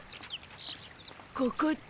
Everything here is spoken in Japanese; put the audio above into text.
ここって？